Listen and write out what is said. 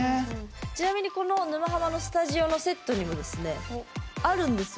ちなみにこの「沼ハマ」のスタジオのセットにもですねあるんですよ。